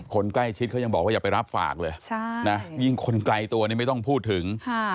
คนใกล้ชิดเขายังบอกว่าอย่าไปรับฝากเลยนะยิ่งคนไกลตัวนี้ไม่ต้องพูดถึง